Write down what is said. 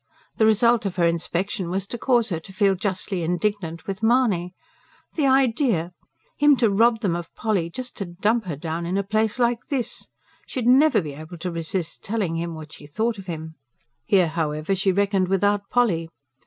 The result of her inspection was to cause her to feel justly indignant with Mahony. The idea! Him to rob them of Polly just to dump her down in a place like this! She would never be able to resist telling him what she thought of him. Here, however, she reckoned without Polly.